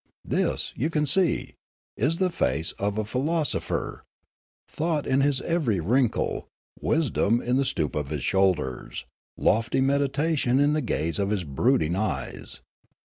This, you can see, is the face of a philo sopher, thought in his every wrinkle, wisdom in the stoop of his shoulders, lofty meditation in the gaze of his brooding eyes.